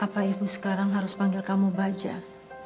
apa ibu sekarang harus panggil kamu baja